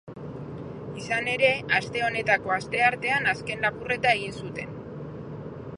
Izan ere, aste honetako asteartean azken lapurreta egin zuten.